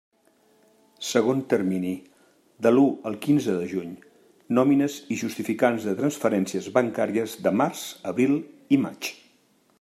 Segon termini: de l'u al quinze de juny: nòmines i justificants de transferències bancàries de març, abril i maig.